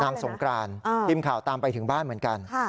สงกรานทีมข่าวตามไปถึงบ้านเหมือนกัน